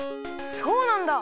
そうなんだ！